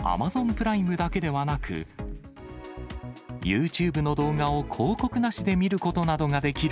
プライムだけではなく、ユーチューブの動画を広告なしで見ることなどができる